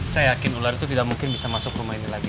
saya yakin ular itu tidak mungkin bisa masuk rumah ini lagi